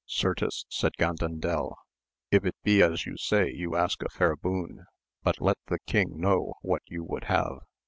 Certes, said Gandandel, if it be as you say you ask a fair boon, but let the king know what you would have.